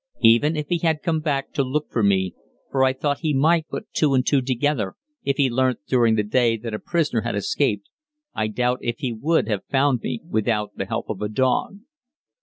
Even if he had come back to look for me (for I thought he might put two and two together if he learnt during the day that a prisoner had escaped), I doubt if he would have found me without the help of a dog.